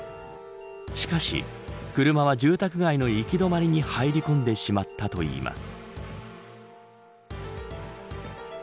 しかし、車は住宅街の行きどまりに入り込んでしまったといいます。